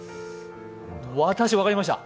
私分かりました！